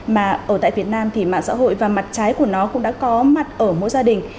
mà ở tại việt nam thì mạng xã hội và mặt trái của nó cũng đã có mặt ở mỗi gia đình